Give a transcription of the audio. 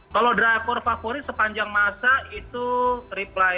kalau drakor favorit sepanjang masa itu reply seribu sembilan ratus delapan puluh delapan